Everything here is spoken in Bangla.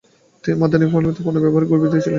মাদানি বিলাতি পণ্য ব্যবহারের ঘাের বিরােধী ছিলেন।